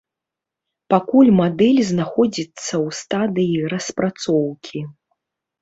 Пакуль мадэль знаходзіцца ў стадыі распрацоўкі.